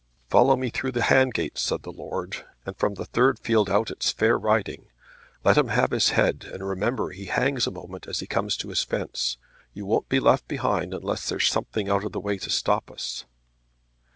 "Follow me through the handgates," said the lord, "and from the third field out it's fair riding. Let him have his head, and remember he hangs a moment as he comes to his fence. You won't be left behind unless there's something out of the way to stop us."